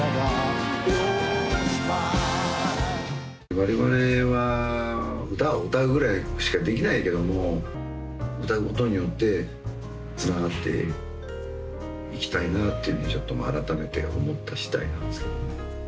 われわれは歌を歌うぐらいしかできないけども、歌うことによって、つながっていきたいなぁというふうに、ちょっと改めて思ったしだいなんですけども。